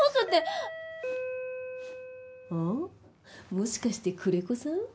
もしかして久連木さん？